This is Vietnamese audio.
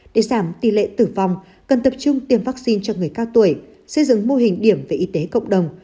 để giảm tỷ lệ tử vong cần tập trung tiêm vaccine cho người cao tuổi xây dựng mô hình điểm về y tế cộng đồng